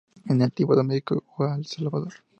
Es nativa de Mexico a El Salvador.